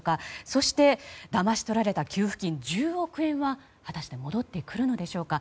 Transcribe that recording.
そして、だまし取られた給付金１０億円は果たして戻ってくるのでしょうか。